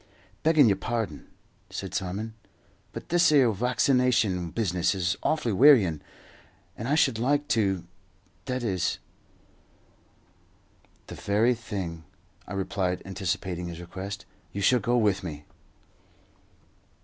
"Beggin' yer pardon," said Simon, "but this 'ere waccination business is awfully wearyin', and I should like to that is " "The very thing," I replied, anticipating his request. "You shall go with me."